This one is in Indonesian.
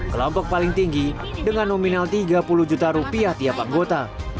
kelompok paling tinggi dengan nominal tiga puluh juta rupiah tiap anggota